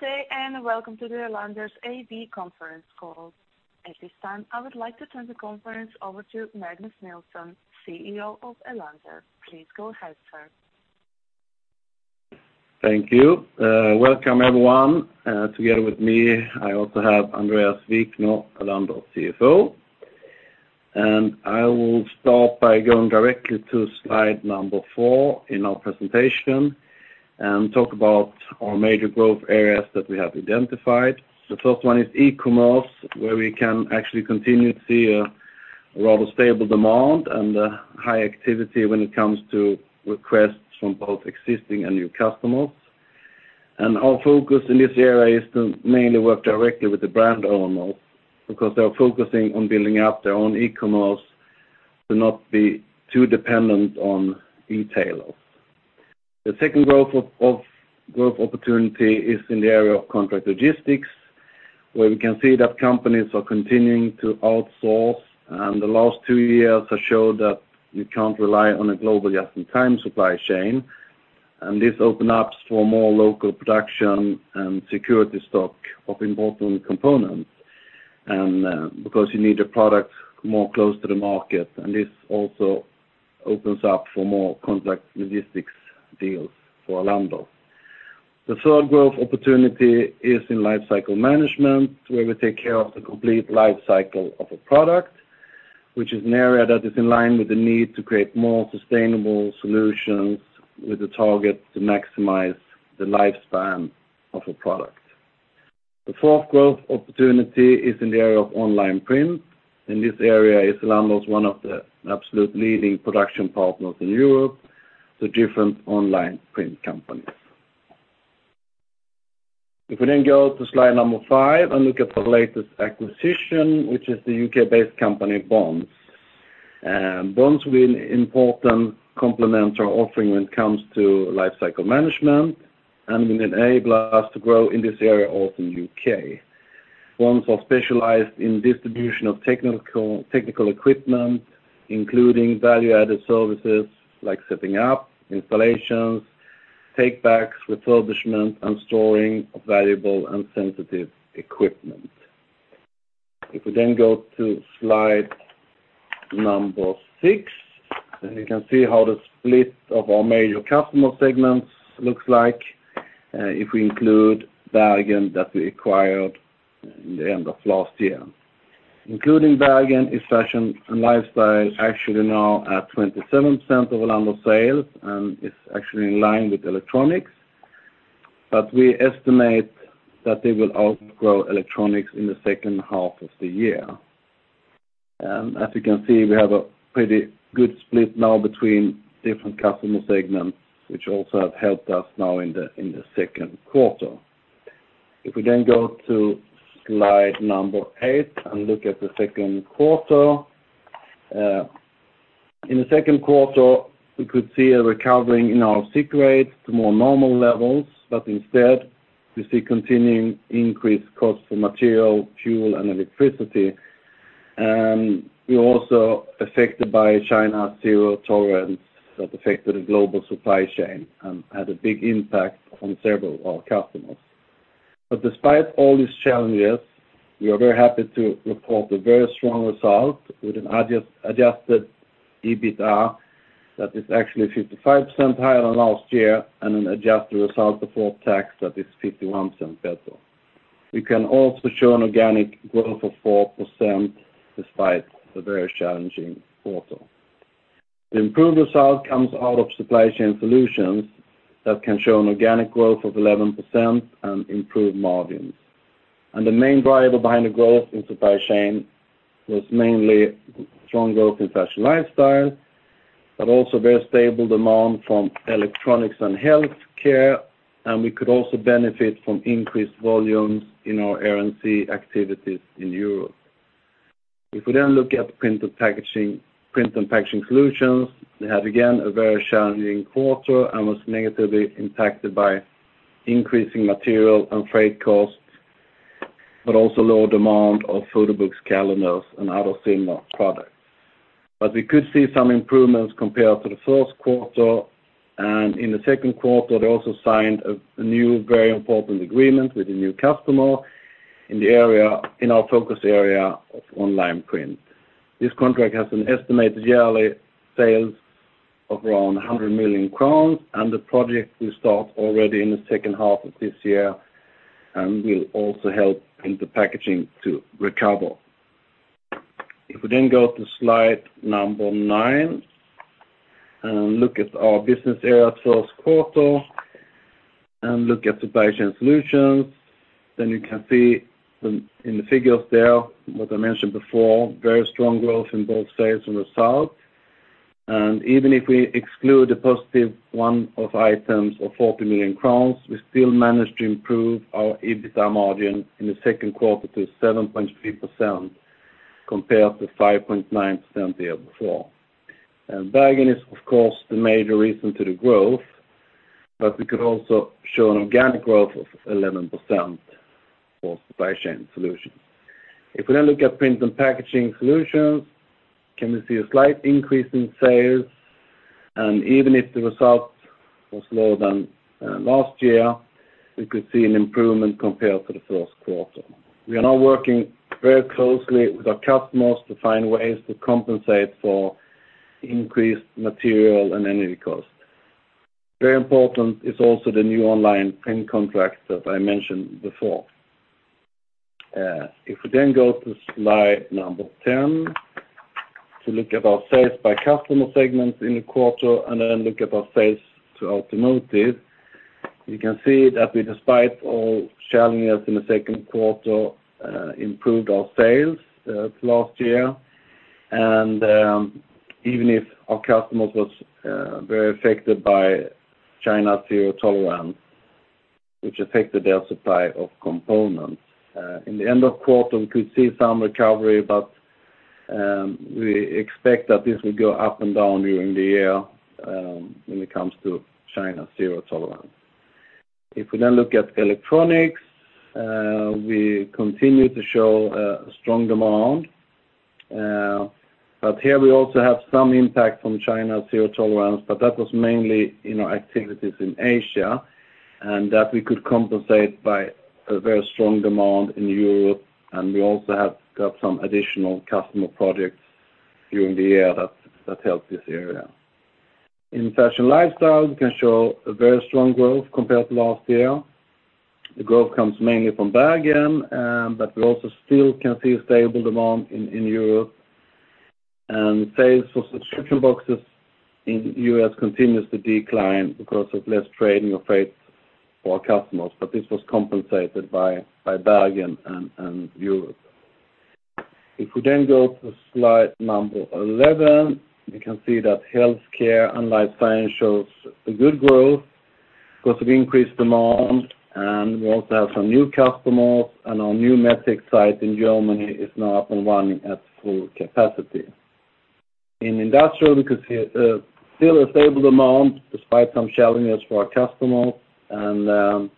Good day and welcome to the Elanders AB conference call. At this time, I would like to turn the conference over to Magnus Nilsson, CEO of Elanders. Please go ahead, sir. Thank you. Welcome everyone. Together with me, I also have Andréas Wikner, Elanders' CFO. I will start by going directly to slide number 4 in our presentation and talk about our major growth areas that we have identified. The first one is e-commerce, where we can actually continue to see a rather stable demand and high activity when it comes to requests from both existing and new customers. Our focus in this area is to mainly work directly with the brand owners because they are focusing on building up their own e-commerce to not be too dependent on retailers. The second growth opportunity is in the area of contract logistics, where we can see that companies are continuing to outsource. The last 2 years have showed that you can't rely on a global just-in-time supply chain, and this opens up for more local production and safety stock of important components. Because you need a product closer to the market, and this also opens up for more contract logistics deals for Elanders. The third growth opportunity is in lifecycle management, where we take care of the complete lifecycle of a product, which is an area that is in line with the need to create more sustainable solutions with the target to maximize the lifespan of a product. The fourth growth opportunity is in the area of online print. In this area, Elanders is one of the absolute leading production partners in Europe to different online print companies. If we go to slide number 5 and look at the latest acquisition, which is the U.K.-based company, Bonds. Bonds will important complementary offering when it comes to lifecycle management, and will enable us to grow in this area of the U.K. Bonds are specialized in distribution of technical equipment, including value-added services like setting up, installations, take-backs, refurbishment, and storing of valuable and sensitive equipment. If we go to slide number 6, you can see how the split of our major customer segments looks like, if we include Bergen that we acquired in the end of last year. Including Bergen is fashion and lifestyle, actually now at 27% of Elanders sales and is actually in line with electronics. We estimate that they will outgrow electronics in the H2 of the year. As you can see, we have a pretty good split now between different customer segments, which also have helped us now in the second quarter. If we then go to slide number 8 and look at the second quarter. In the Q2, we could see a recovering in our sick rate to more normal levels, but instead we see continuing increased cost for material, fuel, and electricity. We're also affected by China's zero tolerance that affected the global supply chain and had a big impact on several of our customers. Despite all these challenges, we are very happy to report a very strong result with an adjusted EBITDA that is actually 55% higher than last year and an adjusted result before tax that is 51% better. We can also show an organic growth of 4% despite the very challenging quarter. The improved result comes out of Supply Chain Solutions that can show an organic growth of 11% and improved margins. The main driver behind the growth in supply chain was mainly strong growth in fashion lifestyle, but also very stable demand from electronics and health care, and we could also benefit from increased volumes in our R&R activities in Europe. If we then look at Print & Packaging Solutions, they had, again, a very challenging quarter and was negatively impacted by increasing material and freight costs, but also lower demand of photo books, calendars, and other similar products. We could see some improvements compared to the Q1. In the Q2, they also signed a new, very important agreement with a new customer in our focus area of online print. This contract has an estimated yearly sales of around 100 million crowns, and the project will start already in the H2 of this year and will also help in the packaging to recover. If we then go to slide number 9 and look at our business area Q1, and look at Supply Chain Solutions, then you can see the in the figures there what I mentioned before, very strong growth in both sales and results. Even if we exclude the positive one-off items of 40 million crowns, we still managed to improve our EBITDA margin in the Q2 to 7.3% compared to 5.9% the year before. Bergen is, of course, the major reason to the growth, but we could also show an organic growth of 11% for Supply Chain Solutions. If we then look at Print & Packaging Solutions, can we see a slight increase in sales? Even if the result was lower than last year, we could see an improvement compared to the Q1. We are now working very closely with our customers to find ways to compensate for increased material and energy costs. Very important is also the new online print contracts that I mentioned before. If we then go to slide number 10 to look at our sales by customer segments in the quarter and then look at our sales to automotive, you can see that we despite all challenges in the Q2 improved our sales last year and even if our customers was very affected by China zero tolerance, which affected their supply of components. In the end of quarter, we could see some recovery, but we expect that this will go up and down during the year when it comes to China zero tolerance. If we then look at electronics, we continue to show a strong demand. But here we also have some impact from China zero tolerance, but that was mainly, you know, activities in Asia, and that we could compensate by a very strong demand in Europe, and we also have got some additional customer projects during the year that helped this area. In fashion lifestyle, we can show a very strong growth compared to last year. The growth comes mainly from Bergen, but we also still can see a stable demand in Europe. Sales for subscription boxes in U.S. continues to decline because of less trading of freight for our customers. This was compensated by Bergen and Europe. If we then go to slide number 11, we can see that healthcare and life science shows a good growth because of increased demand and we also have some new customers, and our new metric site in Germany is now up and running at full capacity. In industrial, we could see still a stable demand despite some challenges for our customers and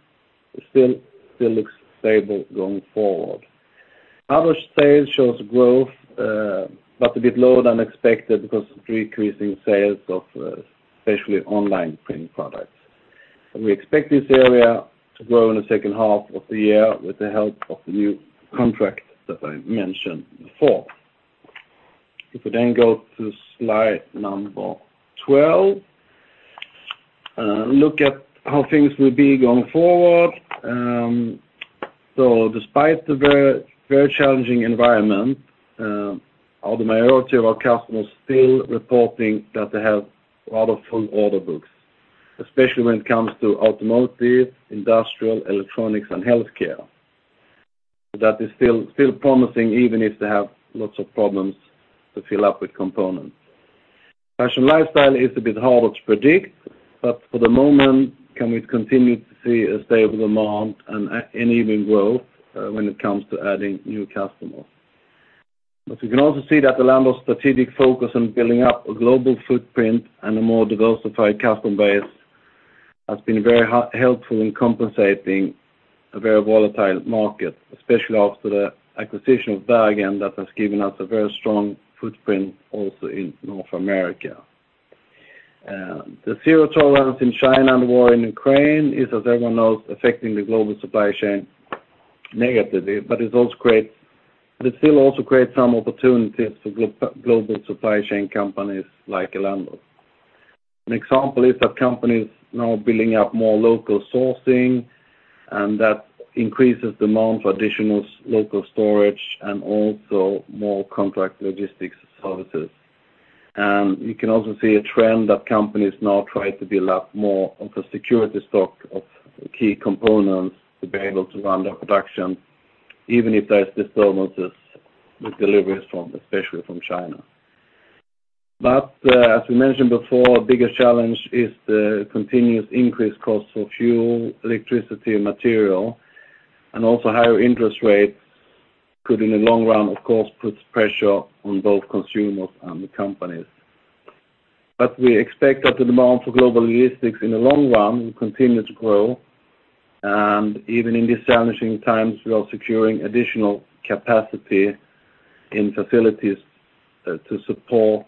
still looks stable going forward. Other sales shows growth, but a bit lower than expected because of decreasing sales of especially online printing products. We expect this area to grow in the H2 of the year with the help of the new contract that I mentioned before. If we then go to slide number 12, look at how things will be going forward. Despite the very challenging environment, the majority of our customers are still reporting that they have a lot of full order books, especially when it comes to automotive, industrial, electronics and healthcare. That is still promising, even if they have lots of problems to fill up with components. Fashion lifestyle is a bit harder to predict, but for the moment, we can continue to see a stable demand and even growth when it comes to adding new customers. You can also see that the Elanders strategic focus on building up a global footprint and a more diversified customer base has been very helpful in compensating a very volatile market, especially after the acquisition of Bergen, that has given us a very strong footprint also in North America. The zero tolerance in China and the war in Ukraine is, as everyone knows, affecting the global supply chain negatively, but it still also creates some opportunities for global supply chain companies like Elanders. An example is that companies now building up more local sourcing, and that increases demand for additional local storage and also more contract logistics services. You can also see a trend that companies now try to build up more of a security stock of key components to be able to run their production, even if there's disturbances with deliveries from, especially from China. As we mentioned before, biggest challenge is the continuous increased cost of fuel, electricity, material, and also higher interest rates could in the long run, of course, puts pressure on both consumers and the companies. We expect that the demand for global logistics in the long run will continue to grow. Even in these challenging times, we are securing additional capacity in facilities to support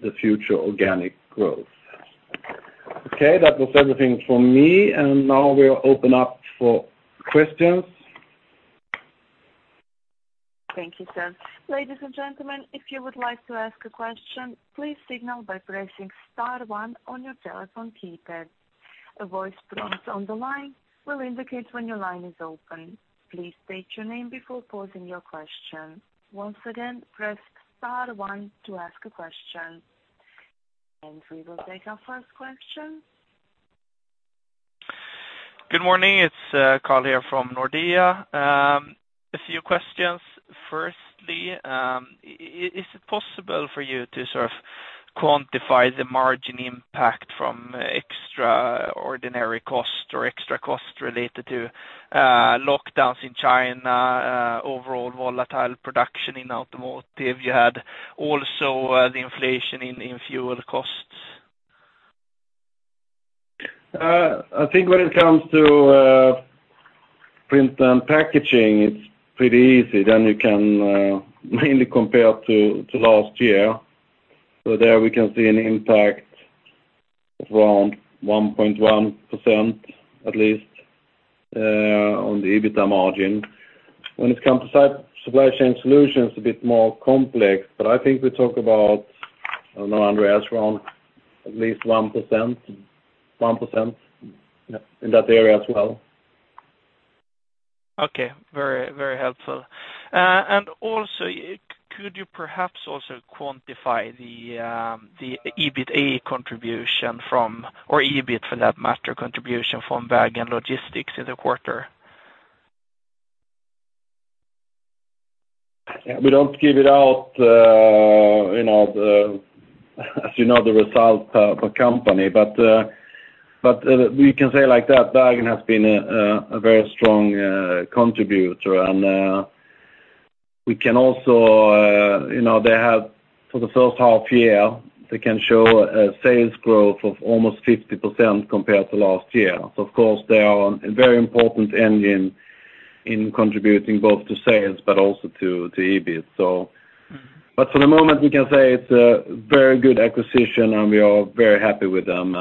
the future organic growth. Okay, that was everything from me, and now we'll open up for questions. Thank you, sir. Ladies and gentlemen, if you would like to ask a question, please signal by pressing star one on your telephone keypad. A voice prompt on the line will indicate when your line is open. Please state your name before posing your question. Once again, press star one to ask a question, and we will take our first question. Good morning, it's Carl here from Nordea. A few questions. Firstly, is it possible for you to sort of quantify the margin impact from extraordinary costs or extra costs related to lockdowns in China, overall volatile production in automotive? You had also the inflation in fuel costs. I think when it comes to print and packaging, it's pretty easy. You can mainly compare to last year. There we can see an impact of around 1.1%, at least, on the EBITA margin. When it comes to supply chain solutions, a bit more complex, but I think we talk about, I don't know, Andréas, around at least 1% in that area as well. Okay. Very, very helpful. Also, could you perhaps also quantify the EBITA contribution from Bergen Logistics, or EBIT for that matter, contribution from Bergen Logistics in the quarter? Yeah, we don't give it out, you know, as you know, the results of the company. We can say like that Bergen has been a very strong contributor. We can also, you know, they have for the H1 year, they can show a sales growth of almost 50% compared to last year. Of course, they are a very important engine in contributing both to sales but also to EBIT. For the moment, we can say it's a very good acquisition, and we are very happy with them.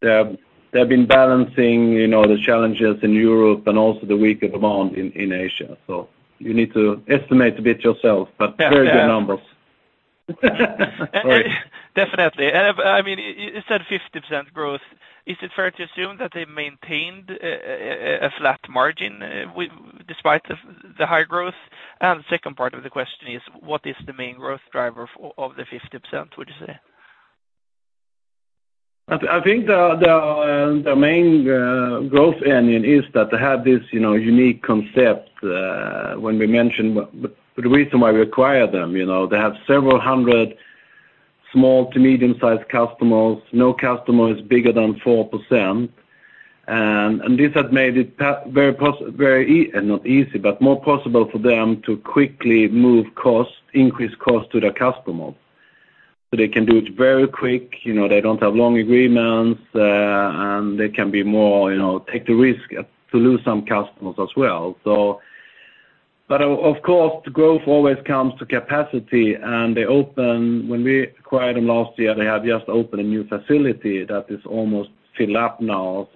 They have been balancing, you know, the challenges in Europe and also the weaker demand in Asia. You need to estimate a bit yourself, but very good numbers. Definitely. I mean, you said 50% growth. Is it fair to assume that they maintained a flat margin despite the high growth? The second part of the question is what is the main growth driver of the 50%, would you say? I think the main growth engine is that they have this, you know, unique concept when we mentioned the reason why we acquired them, you know. They have several hundred small to medium-sized customers. No customer is bigger than 4%. This had made it not easy, but more possible for them to quickly move costs, increase costs to their customers. They can do it very quick. You know, they don't have long agreements, and they can be more, you know, take the risk to lose some customers as well. But of course, the growth always comes to capacity. When we acquired them last year, they had just opened a new facility that is almost filled up now.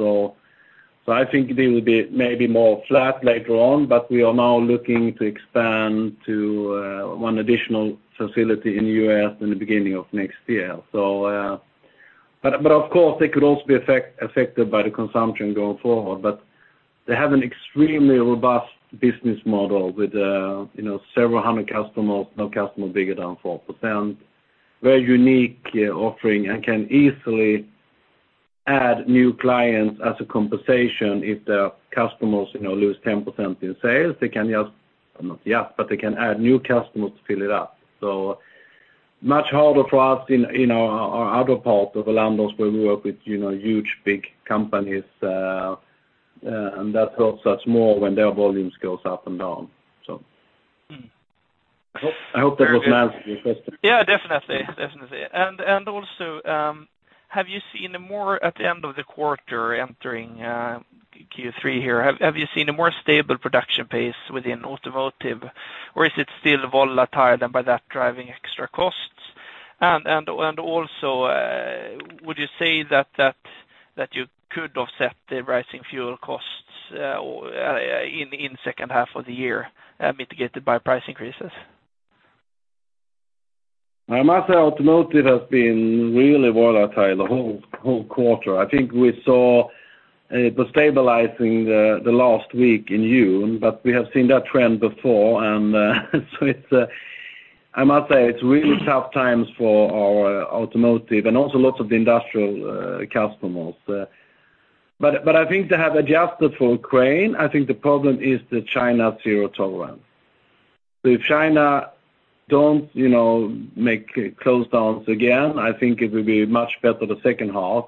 I think they will be maybe more flat later on, but we are now looking to expand to one additional facility in U.S. in the beginning of next year. But of course, they could also be affected by the consumption going forward. They have an extremely robust business model with you know, several hundred customers, no customer bigger than 4%, very unique offering, and can easily add new clients as a compensation if their customers you know, lose 10% in sales. They can just, not just, but they can add new customers to fill it up. Much harder for us in our other part of Elanders, where we work with you know, huge, big companies, and that hurts us more when their volumes goes up and down. Mm. I hope that was an answer to your question. Yeah, definitely. Have you seen a more stable production pace within automotive, or is it still volatile and by that driving extra costs? Would you say that you could offset the rising fuel costs in H2 of the year, mitigated by price increases? I must say automotive has been really volatile the whole quarter. I think we saw it was stabilizing the last week in June, but we have seen that trend before and so it's I must say it's really tough times for our automotive and also lots of the industrial customers. I think they have adjusted for Ukraine. I think the problem is China's zero tolerance. If China don't, you know, make lockdowns again, I think it will be much better the H2.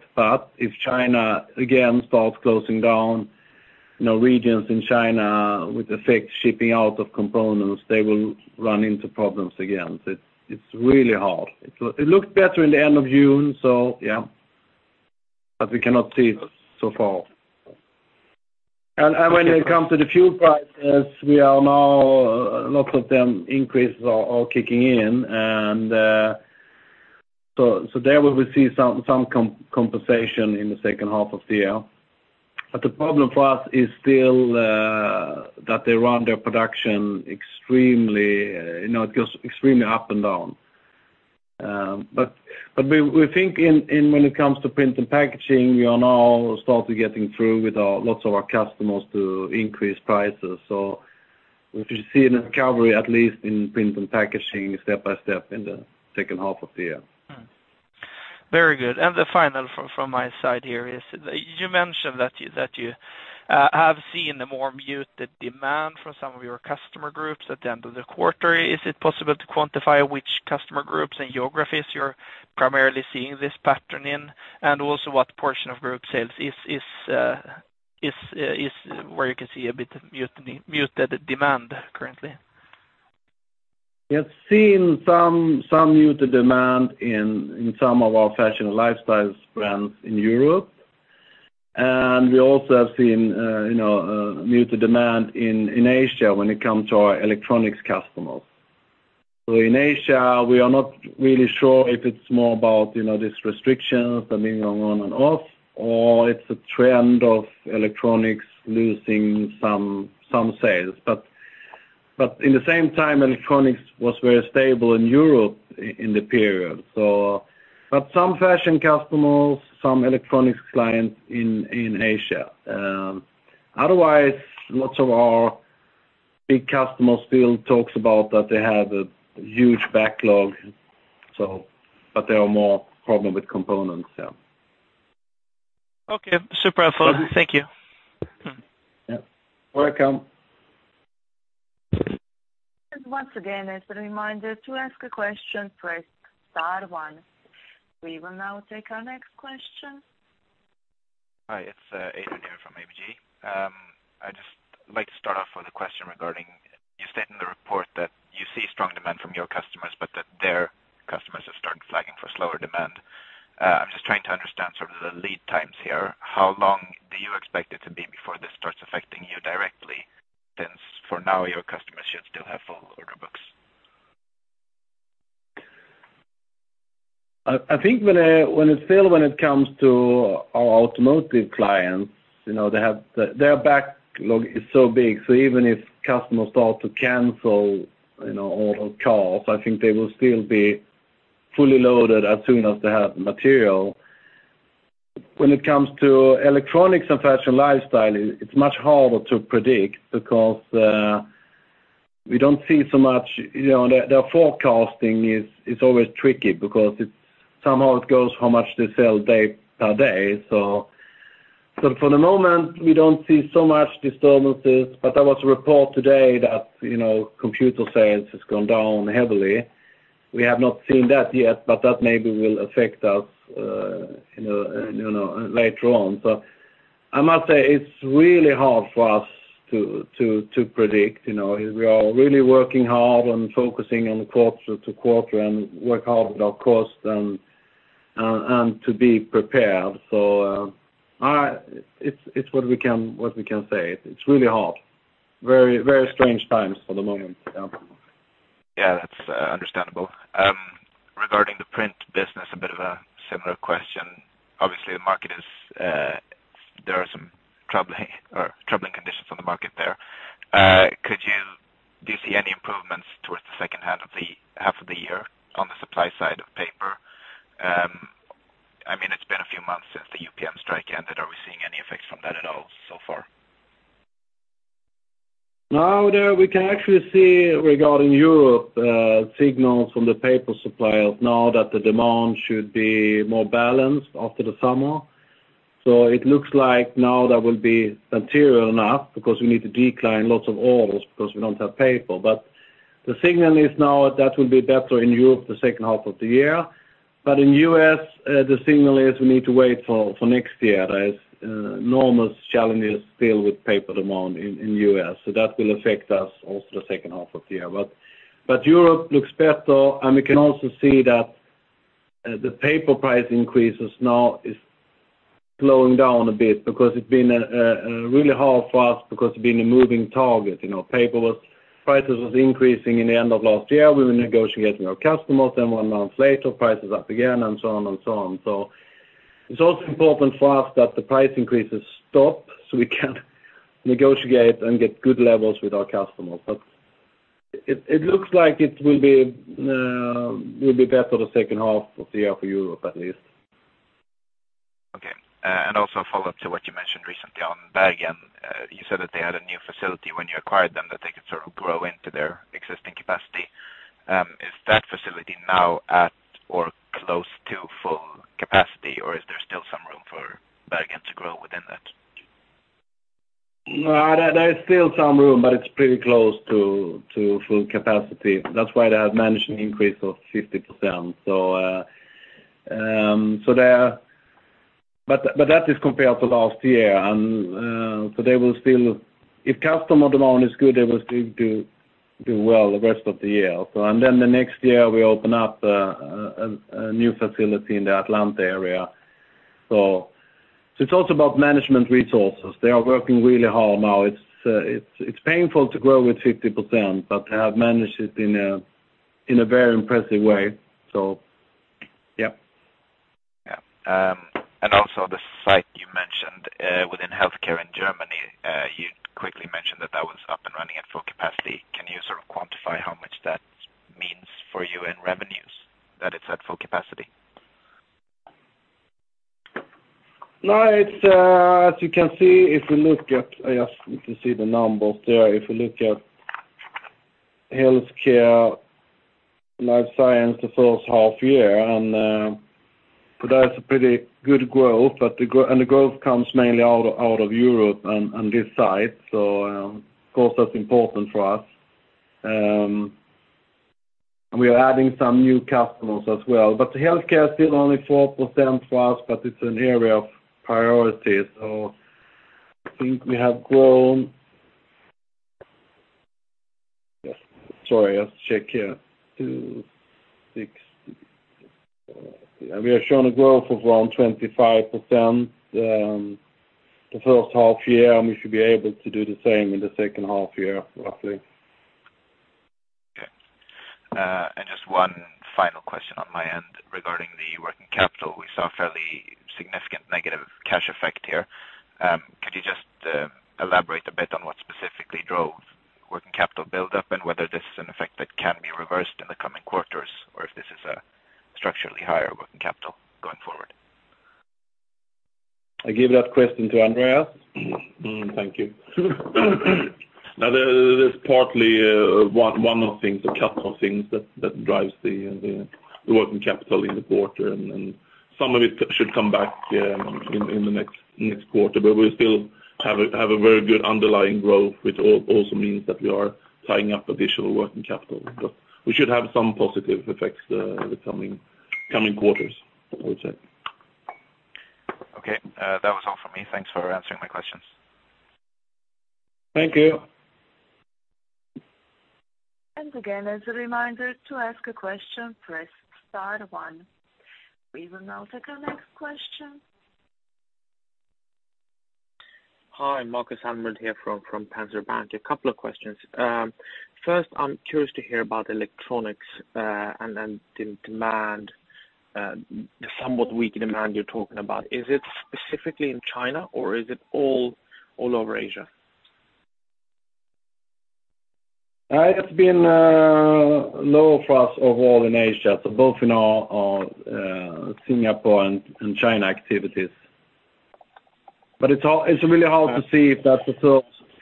If China again starts closing down, you know, regions in China affecting shipping out of components, they will run into problems again. It's really hard. It looked better in the end of June, yeah, but we cannot see it so far. When it comes to the fuel prices, lots of these increases are kicking in, and so there we will see some compensation in the H2 of the year. But the problem for us is still that they run their production extremely, you know, it goes extremely up and down. But we think when it comes to Print and Packaging, we are now starting getting through with lots of our customers to increase prices. We should see a recovery at least in Print and Packaging step by step in the H2 of the year. Very good. The final from my side here is you mentioned that you have seen the more muted demand from some of your customer groups at the end of the quarter. Is it possible to quantify which customer groups and geographies you're primarily seeing this pattern in? Also what portion of group sales is where you can see a bit of muted demand currently? We have seen some muted demand in some of our fashion and lifestyles brands in Europe. We also have seen muted demand in Asia when it comes to our electronics customers. In Asia, we are not really sure if it's more about this restriction turning on and off, or it's a trend of electronics losing some sales. In the same time, electronics was very stable in Europe in the period. Some fashion customers, some electronics clients in Asia. Otherwise, lots of our big customers still talks about that they have a huge backlog, there are more problem with components. Okay, super. So- Thank you. Yeah. Welcome. Once again, as a reminder, to ask a question, press star one. We will now take our next question. Hi. It's Adrian from ABG. I'd just like to start off with a question regarding you state in the report that you see strong demand from your customers, but that their customers have started flagging for slower demand. I'm just trying to understand sort of the lead times here. How long do you expect it to be before this starts affecting you directly? Since for now your customers should still have full order books. I think when it comes to our automotive clients, you know, they have their backlog is so big, so even if customers start to cancel, you know, orders, cars, I think they will still be fully loaded as soon as they have material. When it comes to electronics and fashion lifestyle, it's much harder to predict because we don't see so much, you know, their forecasting is always tricky because it's somehow it goes how much they sell day by day. For the moment, we don't see so much disturbances, but there was a report today that, you know, computer sales has gone down heavily. We have not seen that yet, but that maybe will affect us, you know, later on. I must say it's really hard for us to predict, you know, we are really working hard on focusing on quarter-to-quarter and work hard with our costs and to be prepared. It's what we can say. It's really hard. Very strange times for the moment. Yeah. Yeah, that's understandable. Regarding the print business, a bit of a similar question. Obviously, the market is, there are some troubling conditions on the market there. Do you see any improvements towards the H2 of the year on the supply side of paper? I mean, it's been a few months since the UPM strike ended. Are we seeing any effects from that at all so far? Now, there we can actually see regarding Europe, signals from the paper suppliers now that the demand should be more balanced after the summer. It looks like now there will be material enough because we need to decline lots of orders because we don't have paper. The signal is now that will be better in Europe the H2 of the year. In U.S., the signal is we need to wait for next year. There is enormous challenges still with paper demand in U.S., so that will affect us also the H2 of the year. Europe looks better, and we can also see that, the paper price increases now is slowing down a bit because it's been, really hard for us because it's been a moving target. You know, prices was increasing in the end of last year. We were negotiating our customers, then one month later, prices up again, and so on and so on. It's also important for us that the price increases stop, so we can negotiate and get good levels with our customers. It looks like it will be better the H2 of the year for Europe, at least. Okay. Also a follow-up to what you mentioned recently on Bergen. You said that they had a new facility when you acquired them, that they could sort of grow into their existing capacity. Is that facility now at or close to full capacity, or is there still some room for Bergen to grow within that? No, there is still some room, but it's pretty close to full capacity. That's why they have managed an increase of 50%. But that is compared to last year. If customer demand is good, they will still do well the rest of the year. Next year, we open up a new facility in the Atlanta area. It's also about management resources. They are working really hard now. It's painful to grow with 50%, but they have managed it in a very impressive way. Yeah. Yeah. The site you mentioned within healthcare in Germany, you quickly mentioned that that was up and running at full capacity. Can you sort of quantify how much that means for you in revenues, that it's at full capacity? No, it's as you can see if you look at. I guess you can see the numbers there. If you look at healthcare, life science the H1 year, and that's a pretty good growth. The growth comes mainly out of Europe on this side. Of course, that's important for us. We are adding some new customers as well. The healthcare is still only 4% for us, but it's an area of priority. I think we have grown. Sorry, I have to check here. 26%. We are showing a growth of around 25% the H1 year, and we should be able to do the same in the H2 year, roughly. Okay. Just one final question on my end regarding the working capital. We saw a fairly significant negative cash effect here. Could you just elaborate a bit on what specifically drove working capital build-up and whether this is an effect that can be reversed in the coming quarters, or if this is a structurally higher working capital going forward? I give that question to Andréas. Mm-hmm. Thank you. Now, there's partly one of the things, a couple of things that drives the working capital in the quarter, and some of it should come back in the next quarter. We still have a very good underlying growth, which also means that we are tying up additional working capital. We should have some positive effects in the coming quarters, I would say. Okay. That was all from me. Thanks for answering my questions. Thank you. Again, as a reminder, to ask a question, press star one. We will now take our next question. Hi, Marcus Here from Penser Bank. A couple of questions. First, I'm curious to hear about electronics, and then the demand, the somewhat weak demand you're talking about. Is it specifically in China or is it all over Asia? It's been low for us overall in Asia, so both in our Singapore and China activities. It's really hard to see if that's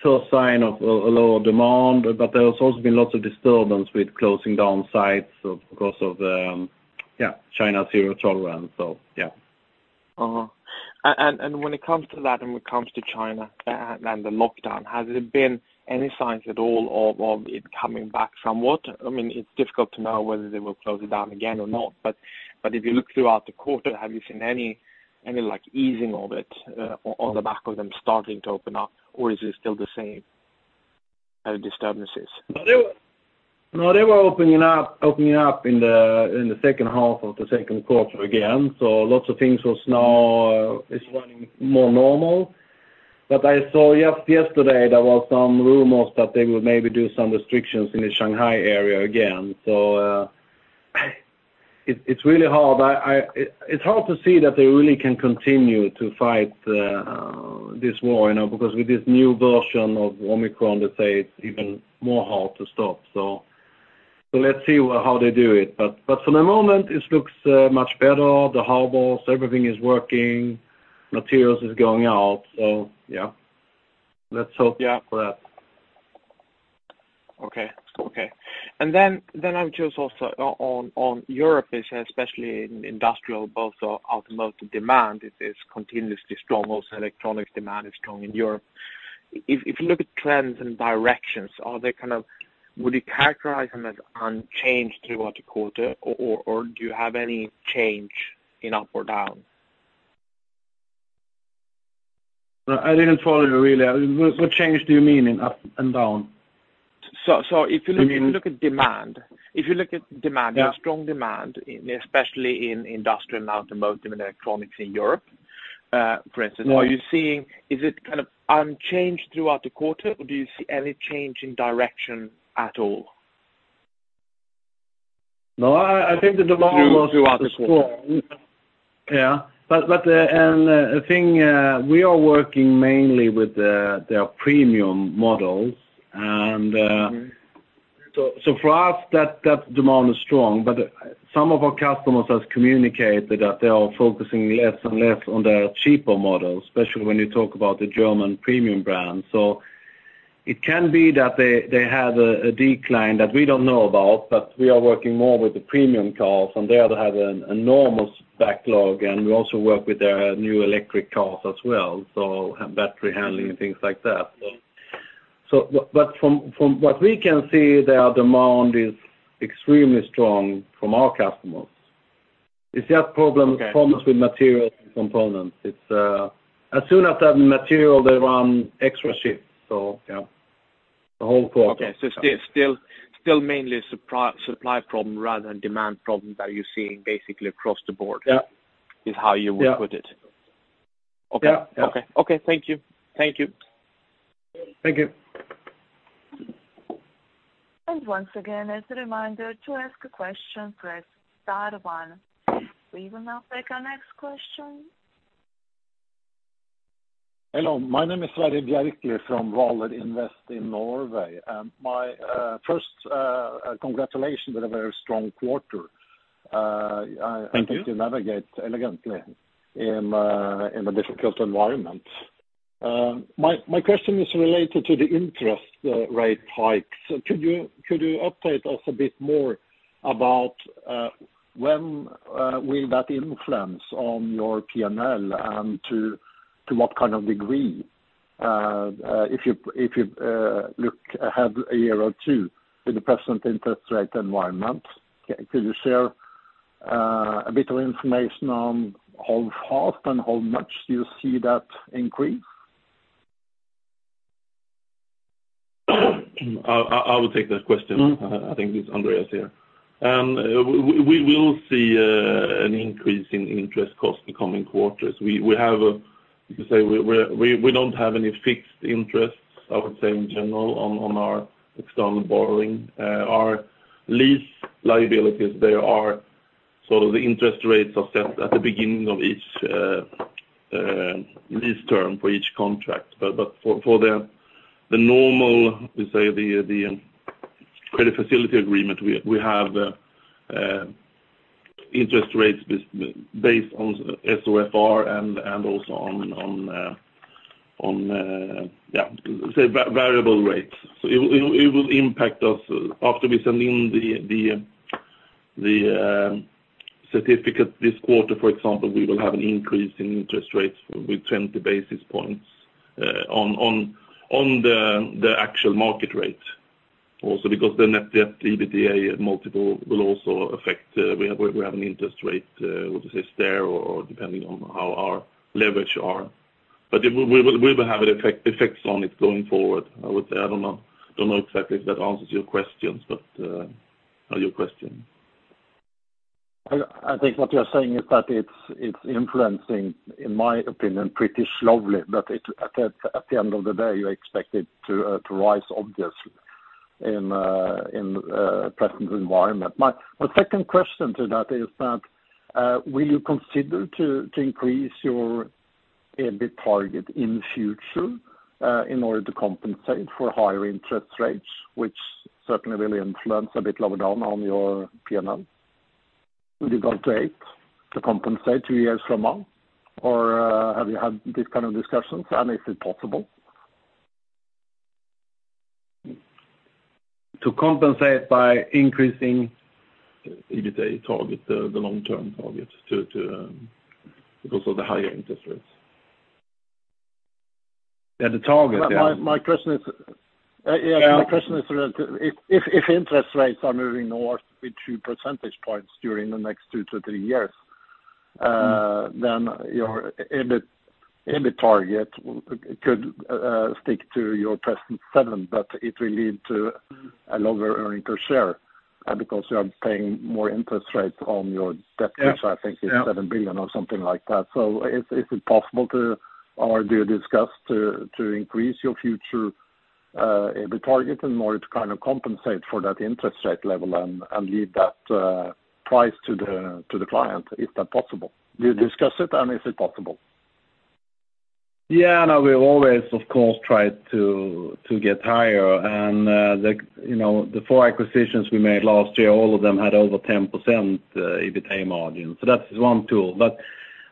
a first sign of a lower demand. There's also been lots of disturbance with closing down sites of course, China's zero tolerance. When it comes to that and when it comes to China and the lockdown, has there been any signs at all of it coming back somewhat? I mean, it's difficult to know whether they will close it down again or not. If you look throughout the quarter, have you seen any like easing of it on the back of them starting to open up? Or is it still the same disturbances? They were opening up in the H2 of the Q2 again. Lots of things was now is running more normal. I saw yesterday there was some rumors that they would maybe do some restrictions in the Shanghai area again. It's really hard. It's hard to see that they really can continue to fight this war, you know, because with this new version of Omicron, they say it's even more hard to stop. Let's see how they do it. For the moment, it looks much better. The harbors, everything is working, materials is going out. Yeah, let's hope yeah for that. I'm curious also on Europe, especially in industrial, both automotive demand is continuously strong. Also electronics demand is strong in Europe. If you look at trends and directions, would you characterize them as unchanged throughout the quarter? Or do you have any change in up or down? No, I didn't follow you really. What change do you mean in up and down? If you look. You mean- If you look at demand. Yeah. There's strong demand, especially in industrial and automotive and electronics in Europe, for instance. Yeah. Is it kind of unchanged throughout the quarter? Or do you see any change in direction at all? No, I think the demand was. Throughout the quarter. We are working mainly with their premium models. Mm-hmm. For us, that demand is strong. Some of our customers has communicated that they are focusing less and less on their cheaper models, especially when you talk about the German premium brands. It can be that they have a decline that we don't know about, but we are working more with the premium cars, and they are having an enormous backlog. We also work with their new electric cars as well, so battery handling and things like that. From what we can see, their demand is extremely strong from our customers. It's just problems. Okay. Problems with materials and components. It's. As soon as they have material, they run extra shifts. Yeah, the whole quarter. Still mainly a supply problem rather than demand problem that you're seeing basically across the board. Yeah Is how you would put it? Yeah. Okay. Yeah. Okay. Thank you. Thank you. Once again, as a reminder, to ask a question, press star one. We will now take our next question. Hello, my name is from Validé Invest in Norway. First, congratulations on a very strong quarter. I- Thank you. I think you navigate elegantly in a difficult environment. My question is related to the interest rate hikes. Could you update us a bit more about when will that influence on your PNL, and to what kind of degree? If you look ahead a year or two with the present interest rate environment, could you share a bit of information on how fast and how much do you see that increase? I will take that question. Mm-hmm. I think it's Andréas here. We will see an increase in interest cost in coming quarters. We have—you could say we don't have any fixed interests, I would say, in general, on our external borrowing. Our lease liabilities, the interest rates are set at the beginning of each lease term for each contract. For the normal, we say, the credit facility agreement, we have interest rates based on SOFR and also on variable rates. It will impact us. After we send in the certificate this quarter, for example, we will have an increase in interest rates with 20 basis points on the actual market rate also because the net debt EBITDA multiple will also affect, we have an interest rate, which is there or depending on how our leverage are. We will have an effect on it going forward, I would say. I don't know exactly if that answers your questions, but or your question. I think what you're saying is that it's influencing, in my opinion, pretty slowly. At the end of the day, you expect it to rise obviously in present environment. My second question to that is that, will you consider to increase your EBIT target in the future, in order to compensate for higher interest rates, which certainly will influence a bit lower down on your P&L? Would you go to 8 to compensate 2 years from now? Or, have you had these kind of discussions, and is it possible? To compensate by increasing EBITDA target, the long-term target to because of the higher interest rates? Yeah, the target, yeah. My question is. Yeah. Yeah, my question is related to if interest rates are moving north with 2 percentage points during the next 2 to 3 years? Mm-hmm. Your EBIT target could stick to your present 7%, but it will lead to a lower earnings per share because you are paying higher interest rates on your debt. Yeah. Which I think is 7 billion or something like that. Is it possible to or do you discuss to increase your future EBIT target in order to kind of compensate for that interest rate level and leave that price to the client? Is that possible? Do you discuss it, and is it possible? Yeah, no, we always of course try to get higher. You know, the four acquisitions we made last year, all of them had over 10% EBITDA margin. That's one tool.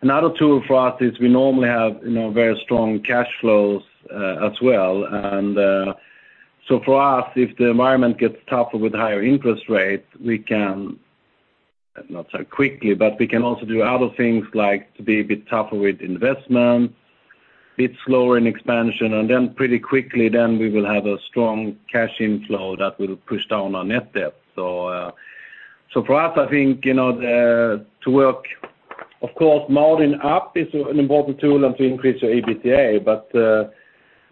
Another tool for us is we normally have, you know, very strong cash flows as well. For us, if the environment gets tougher with higher interest rates, we can, not say quickly, but we can also do other things like to be a bit tougher with investment, bit slower in expansion, and then pretty quickly we will have a strong cash inflow that will push down our net debt. For us, I think, you know, to work, of course, margin up is an important tool and to increase your EBITDA.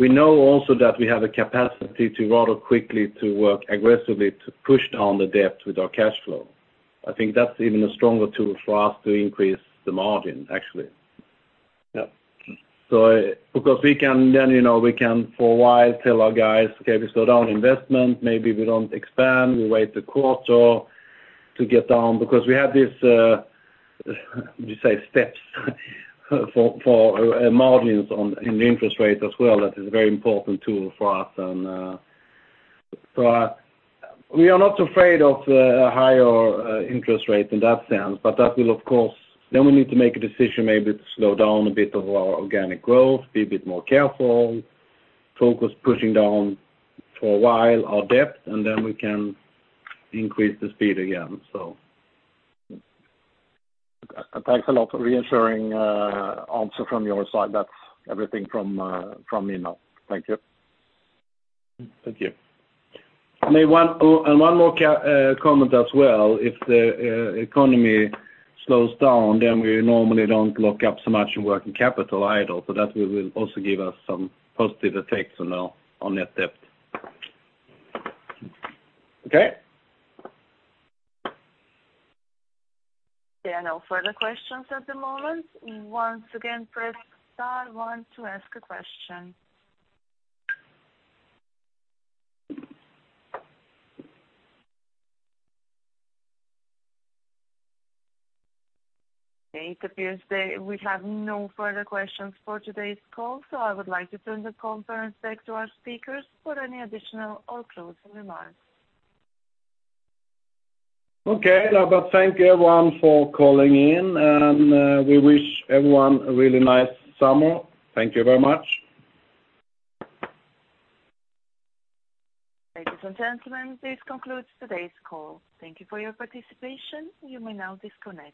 We know also that we have a capacity to rather quickly work aggressively to push down the debt with our cash flow. I think that's even a stronger tool for us to increase the margin, actually. Yeah. Because we can then, you know, we can for a while tell our guys, "Okay, we slow down investment. Maybe we don't expand. We wait a quarter to get down." Because we have this swaps for margins in the interest rate as well. That is a very important tool for us. We are not afraid of higher interest rates in that sense, but that will, of course. We need to make a decision maybe to slow down a bit of our organic growth, be a bit more careful, focus pushing down for a while our debt, and then we can increase the speed again. Thanks a lot for reassuring answer from your side. That's everything from me now. Thank you. Thank you. One more comment as well. If the economy slows down, then we normally don't lock up so much in working capital either. That will also give us some positive effects on net debt. Okay. There are no further questions at the moment. Once again, press star one to ask a question. Okay, it appears that we have no further questions for today's call, so I would like to turn the conference back to our speakers for any additional or closing remarks. Okay. No, but thank you everyone for calling in, and we wish everyone a really nice summer. Thank you very much. Ladies and gentlemen, this concludes today's call. Thank you for your participation. You may now disconnect.